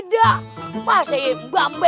siapa yang ini